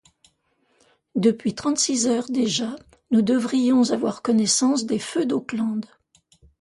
Depuis trente-six heures déjà, nous devrions avoir connaissance des feux d’Auckland.